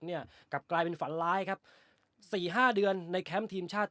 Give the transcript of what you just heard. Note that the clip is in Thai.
กลับกลายเป็นฝันร้ายครับสี่ห้าเดือนในแคมป์ทีมชาติ